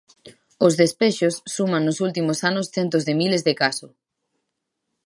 Os despexos suman nos últimos anos centos de miles de caso.